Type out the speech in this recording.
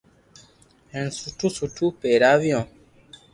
ھين سٺو سٺو پيراويو